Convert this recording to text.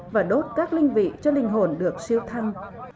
và đốt các linh vị cho linh hồn được siêu thăng